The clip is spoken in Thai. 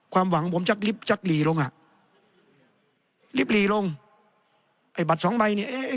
ความหวังผมชักลิบจักหลีลงอ่ะลิบหลีลงไอ้บัตรสองใบเนี่ยเอ๊ะ